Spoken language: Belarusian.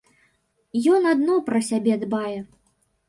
Ён адно пра сябе дбае.